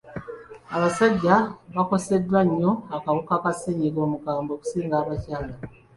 Abasajja bakoseddwa nnyo akawuka ka ssennyiga omukambwe okusinga abakyala.